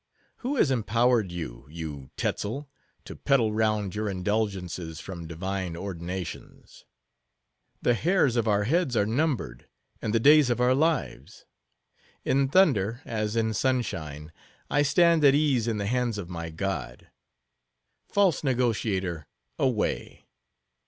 Who has empowered you, you Tetzel, to peddle round your indulgences from divine ordinations? The hairs of our heads are numbered, and the days of our lives. In thunder as in sunshine, I stand at ease in the hands of my God. False negotiator, away!